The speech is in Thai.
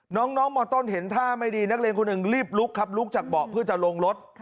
น้องมต้นเห็นท่าไม่ดีนักเรียนคนหนึ่งรีบลุกครับลุกจากเบาะเพื่อจะลงรถ